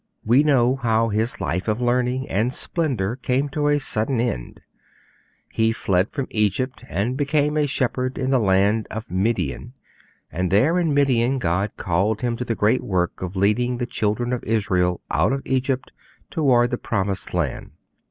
We know how his life of learning and splendour came to a sudden end; he fled from Egypt, and became a shepherd in the land of Midian; and there in Midian God called him to the great work of leading the Children of Israel out of Egypt towards the Promised Land.